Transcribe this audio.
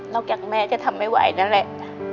จากแม่จะทำไม่ไหวนั่นแหละ